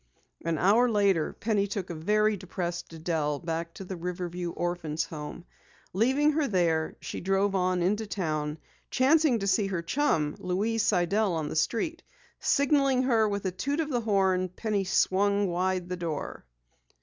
An hour later Penny took a very depressed Adelle back to the Riverview Orphans' Home. Leaving her there, she drove on into town, chancing to see her chum, Louise Sidell on the street. Signalling her with a toot of the horn, Penny swung wide the door.